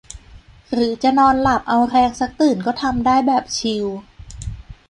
หรือจะนอนหลับเอาแรงสักตื่นก็ทำได้แบบชิล